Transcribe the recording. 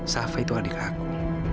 safa itu adik aku